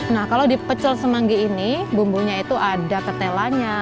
nah kalau di pecel semanggi ini bumbunya itu ada ketelanya